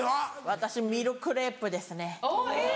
私ミルクレープですね。